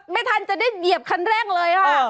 ไม่ทันจะได้เหยียบคันเร่งเลยค่ะ